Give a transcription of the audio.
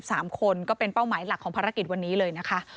สามคนก็เป็นเป้าหมายหลักของภารกิจวันนี้เลยนะคะ